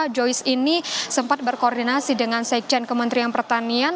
joyce ini sempat berkoordinasi dengan sekjen kementerian pertanian